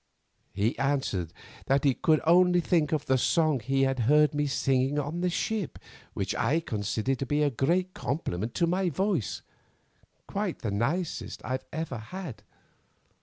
He answered that he could only think of the song he had heard me singing on the ship, which I considered a great compliment to my voice, quite the nicest I ever had.